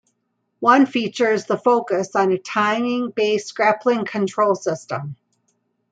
One feature is the focus on a timing-based grappling control system.